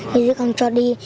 mấy dứ không cho đi